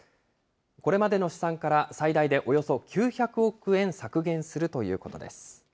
これまでの試算から、最大でおよそ９００億円削減するということです。